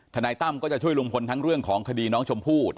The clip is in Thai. นายตั้มก็จะช่วยลุงพลทั้งเรื่องของคดีน้องชมพู่